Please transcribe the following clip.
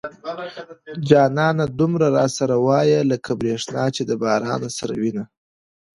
جانانه دومره را سره واي لکه بريښنا چې د بارانه سره وينه